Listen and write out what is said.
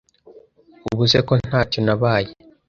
ubu se ko ntacyo nabaye